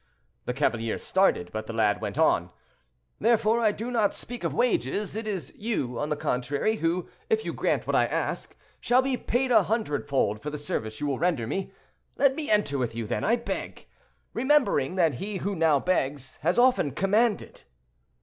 The cavalier started, but the lad went on, "therefore I do not speak of wages; it is you, on the contrary, who, if you grant what I ask, shall be paid a hundred fold for the service you will render me; let me enter with you, then, I beg, remembering that he who now begs, has often commanded."